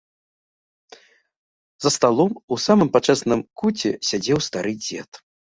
За сталом у самым пачэсным куце сядзеў стары дзед.